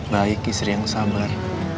baik istri yang sabar